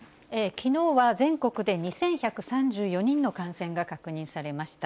きのうは全国で２１３４人の感染が確認されました。